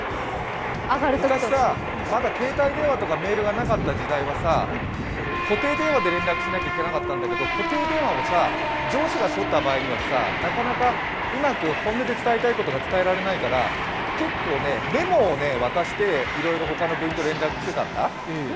昔さ、まだ携帯電話とかメールがなかった時代はさ、固定電話で連絡しなきゃいけなかったんだけど固定電話を上司が取った場合にはなかなかうまく本音で伝えたいことが伝えられないから結構メモを渡していろいろほかの部員と連絡してたんだ。